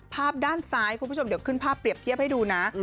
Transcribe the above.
ภาพด้านซ้ายคุณผู้ชมเดี๋ยวขึ้นภาพเปรียบเทียบให้ดูนะ